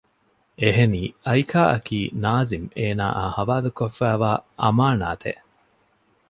އެހެނީ އައިކާއަކީ ނާޒިމް އޭނާއާ ހަވާލުކޮށްފައިވާ އަމާނާތެއް